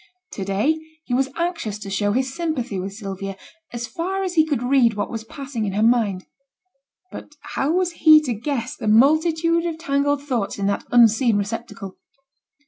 To day he was anxious to show his sympathy with Sylvia, as far as he could read what was passing in her mind; but how was he to guess the multitude of tangled thoughts in that unseen receptacle?